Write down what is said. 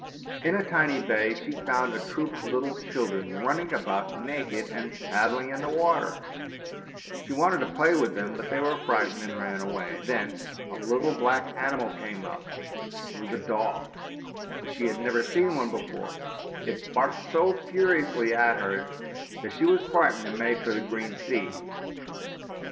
In a tiny bay she found a troop of little children running about naked and paddling in the water; she wanted to play with them, but they were frightened and ran away. Then a little black animal came up, it was a dog, but she had never seen one before ; it barked so furiously at her that she was frightened and made for the open sea.